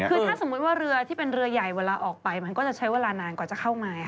ถ้าเรือที่เป็นเรือใหญ่เวลาออกไปจะใช้เวลานานก่อนจะเข้ามา